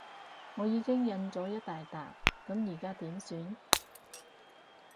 我已經印咗一大疊，噉而家點算？